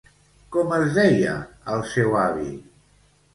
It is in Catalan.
Com es deia el seu avi?